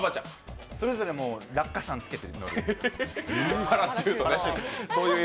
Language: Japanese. それぞれ落下傘をつけて乗る。